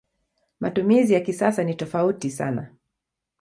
Matumizi ya kisasa ni tofauti sana.